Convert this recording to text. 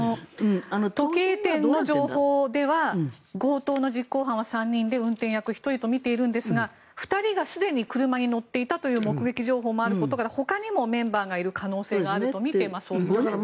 時計店の情報では強盗の実行役は３人で運転役１人とみているんですが２人がすでに車に乗っていたという目撃情報があることからほかにもメンバーがいる可能性があるとみて捜査しているということです。